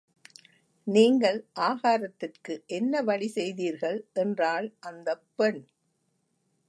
நீங்கள் ஆகாரத்திற்கு என்ன வழி செய்தீர்கள் என்றாள் அந்தப் பெண்.